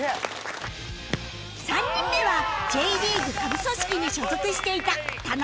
３人目は Ｊ リーグ下部組織に所属していた田仲陽成